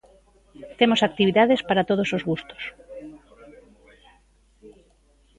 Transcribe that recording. Temos actividades para todos os gustos.